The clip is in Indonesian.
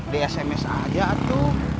di sms aja tuh